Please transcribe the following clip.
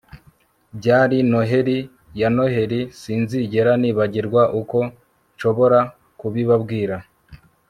byari noheri ya noheri sinzigera nibagirwa uko nshobora kubibabwira